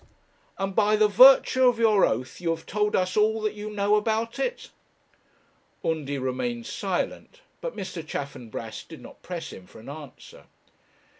'And by the virtue of your oath, you have told us all that you know about it?' Undy remained silent, but Mr. Chaffanbrass did not press him for an answer.